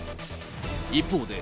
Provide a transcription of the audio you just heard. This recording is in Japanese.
一方で、